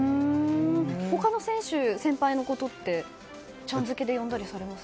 他の選手、先輩のことってちゃん付けで呼んだりされます？